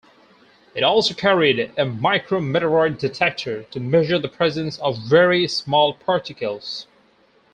It also carried a micrometeoroid detector, to measure the presence of very small particles.